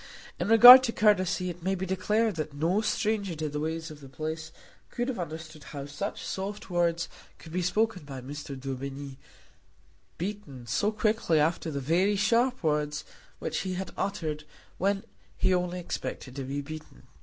In regard to courtesy it may be declared that no stranger to the ways of the place could have understood how such soft words could be spoken by Mr. Daubeny, beaten, so quickly after the very sharp words which he had uttered when he only expected to be beaten.